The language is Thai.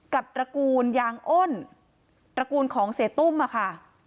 ตระกูลยางอ้นตระกูลของเสียตุ้มอะค่ะ